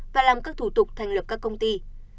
và làm các thủ tục thành lập các công ty